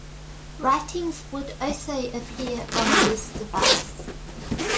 Writings would also appear on this device.